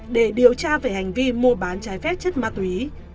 để điều tra về hành vi mua bán trái phép chất ma túy